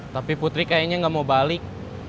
tapi putri kayaknya nggak mau balik